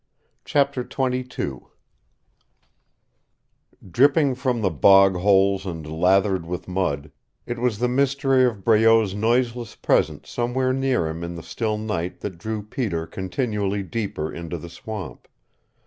CHAPTER XXII Dripping from the bog holes and lathered with mud, it was the mystery of Breault's noiseless presence somewhere near him in the still night that drew Peter continually deeper into the swamp.